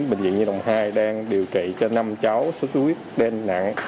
bệnh viện nhân đồng hai đang điều trị cho năm cháu sốt xuất huyết đen nặng